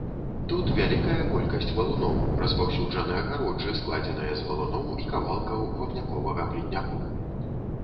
Тут вялікая колькасць валуноў, распаўсюджаны агароджы, складзеныя з валуноў і кавалкаў вапняковага плітняку.